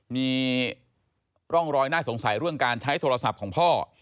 มีร่องรอยน่าสงสัยเรื่องการใช้โทรศัพท์ของพ่อ